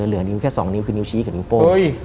เหลือนิ้วแค่๒นิ้วคือนิ้วชี้กับนิ้วโป้ง